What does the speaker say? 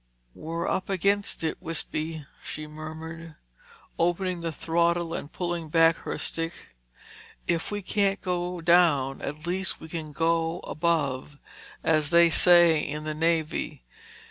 "We're up against it, Wispy," she murmured, opening the throttle and pulling back her stick. "If we can't go down, at least we can 'go above,' as they say in the Navy.